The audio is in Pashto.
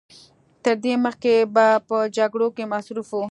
تر دې مخکې به په جګړو کې مصروف و.